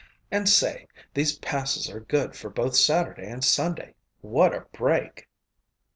And say, these passes are good for both Saturday and Sunday. What a break!"